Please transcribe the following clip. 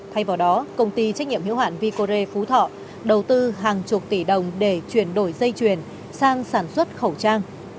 thay vào đó công ty trách nhiệm hiệu hạn vicore phú thọ đầu tư hàng chục tỷ đồng để chuyển đổi dây chuyền sang sản xuất khẩu trang